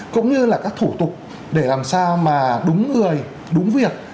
cũng như là các thủ tục để làm sao mà đúng người đúng việc